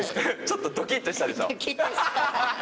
ちょっとドキッとしたでしょ。